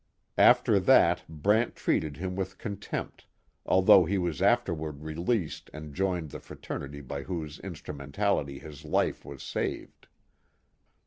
After that Brant treated him with contempt, although he was afterward released and joined the fraternity by whose instrumentality his life was saved.